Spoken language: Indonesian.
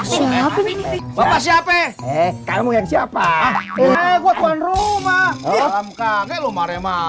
siapa siapa eh kamu yang siapa